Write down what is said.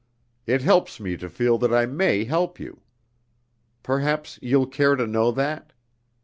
It helps me to feel that I may help you. Perhaps you'll care to know that?